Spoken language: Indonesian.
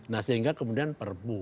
nah sehingga kemudian perbu